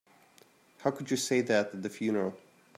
How could you say that at the funeral?